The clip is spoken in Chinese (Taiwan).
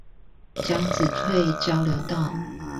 江子翠交流道